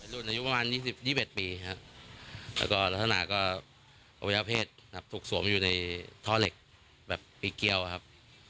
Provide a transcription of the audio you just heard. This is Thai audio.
รุ่นอายุประมาณ๒๑ปีครับแล้วก็ลักษณะก็อวัยวะเพศครับถูกสวมอยู่ในท่อเหล็กแบบปีเกี้ยวครับ